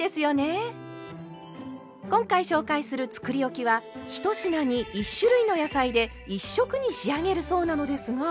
今回紹介するつくりおきは１品に１種類の野菜で１色に仕上げるそうなのですが。